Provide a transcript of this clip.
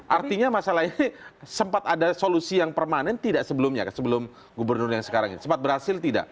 artinya masalah ini sempat ada solusi yang permanen tidak sebelumnya sebelum gubernur yang sekarang ini sempat berhasil tidak